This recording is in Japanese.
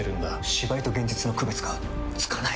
芝居と現実の区別がつかない！